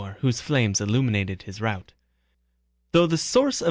* (2) Whose flames illumined his route. Though the source of M.